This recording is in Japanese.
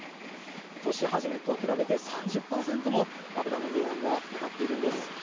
年初めと比べて３０％も油の値段が上がっているんです。